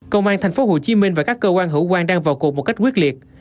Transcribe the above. công an thành phố hồ chí minh và các cơ quan hữu quan đang vào cuộc một cách quyết liệt